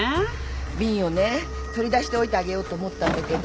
瓶をね取り出しておいてあげようと思ったんだけど。